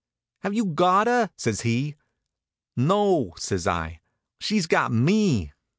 "Have you got her?" says he. "No," says I; "she's got me."